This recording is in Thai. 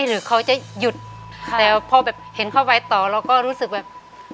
หรือเขาจะหยุดแต่พอแบบเห็นเข้าไปต่อเราก็รู้สึกแบบ